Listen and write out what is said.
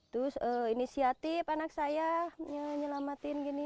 terus inisiatif anak saya nyelamatin gini